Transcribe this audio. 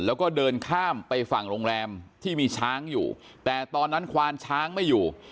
แล้วก็เดินข้ามไปฝั่งโรงแรมที่มีช้างอยู่แต่ตอนนั้นควานช้างไม่อยู่